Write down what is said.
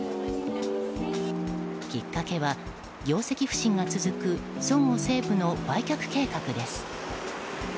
きっかけは、業績不振が続くそごう・西武の売却計画です。